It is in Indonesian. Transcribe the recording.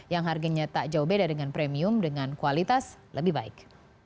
yang harganya tak jauh beda dengan premium dengan kualitas lebih baik